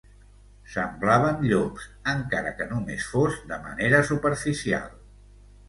Semblaven llops, encara que només fos de manera superficial.